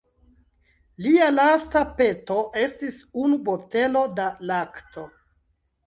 Lia lasta peto estis unu botelo da lakto.